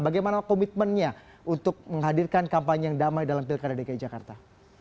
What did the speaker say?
bagaimana komitmennya untuk menghadirkan kampanye yang damai dalam pilkada dki jakarta